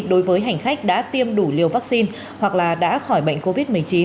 đối với hành khách đã tiêm đủ liều vắc xin hoặc là đã khỏi bệnh covid một mươi chín